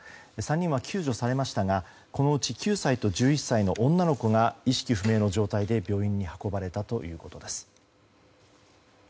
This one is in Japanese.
３人は救助されましたがこのうち９歳と１１歳の女の子が意識不明の状態で病院に運ばれたということです。